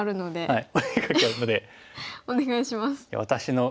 はい。